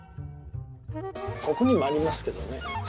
ここにもありますけどね。